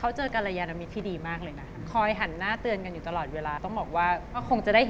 อาจารย์เป็นหนึ่ง